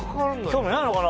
興味ないのかな？